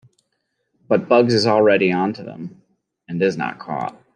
But Bugs is already on to them, and is not caught.